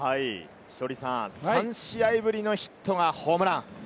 稀哲さん、３試合ぶりのヒットがホームラン。